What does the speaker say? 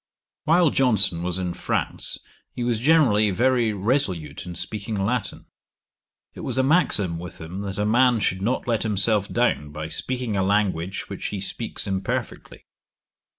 While Johnson was in France, he was generally very resolute in speaking Latin. It was a maxim with him that a man should not let himself down, by speaking a language which he speaks imperfectly.